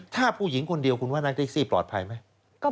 ถ้าผู้หญิงคนเดียวคุณว่านักเท็กซี่ปลอดภัยไหม